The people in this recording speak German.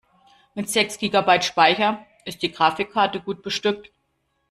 Mit sechs Gigabyte Speicher ist die Grafikkarte gut bestückt.